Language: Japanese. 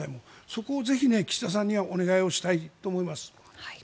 そこをぜひ岸田さんにはお願いをしたいと思います。